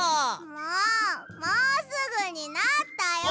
もうもうすぐになったよ！